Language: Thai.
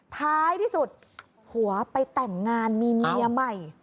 ท้ายที่สุดผัวไปแต่งงานมีเมียใหม่